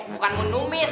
bukan mau numis